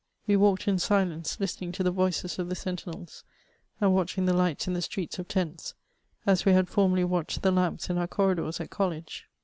We walked in silence, listening to the voices o£ the sentinels, and watching the lights in the streets of tents, as we had formerly watched the lamps in our corridors at college.